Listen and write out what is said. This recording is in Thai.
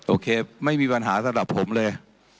โอเคไม่มีปัญหาสำหรับผมเลย